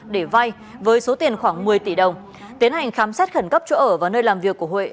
để vay với số tiền khoảng một mươi tỷ đồng tiến hành khám xét khẩn cấp chỗ ở và nơi làm việc của huệ